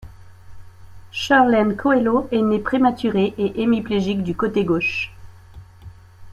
Shirlene Coelho est née prématurée et hémiplégique du côté gauche.